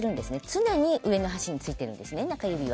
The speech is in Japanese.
常に上の箸に中指はついているんですね。